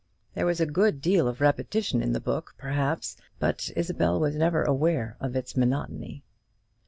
There was a good deal of repetition in the book, perhaps; but Isabel was never aware of its monotony.